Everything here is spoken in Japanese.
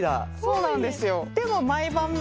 そうなんですよ。